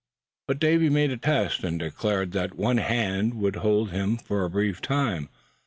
But Davy made a test, and declared that one hand would hold him for a brief time.